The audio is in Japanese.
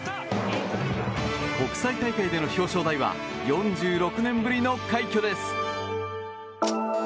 国際大会での表彰台は４６年ぶりの快挙です。